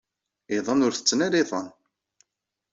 Iḍan ur ttetten ara iḍan.